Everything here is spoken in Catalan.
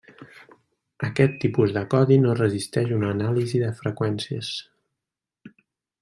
Aquest tipus de codi no resisteix una anàlisi de freqüències.